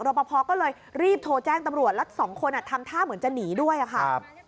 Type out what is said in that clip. ปภก็เลยรีบโทรแจ้งตำรวจแล้วสองคนทำท่าเหมือนจะหนีด้วยค่ะ